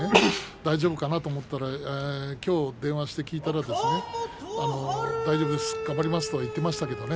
大丈夫かなと思って電話をしてみたら大丈夫です、上がりますと言っていましたけれどもね。